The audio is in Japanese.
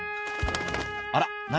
「あら何？